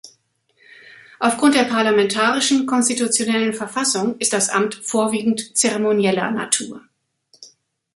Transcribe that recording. Auf Grund der parlamentarischen, konstitutionellen Verfassung ist das Amt vorwiegend zeremonieller Natur.